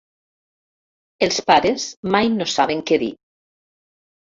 Els pares mai no saben què dir.